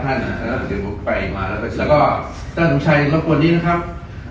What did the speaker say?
ท่านไปมาแล้วก็แล้วก็เจ้าหนุนชัยแล้วกว่านี้นะครับ